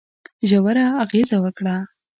ژوره اغېزه وکړه.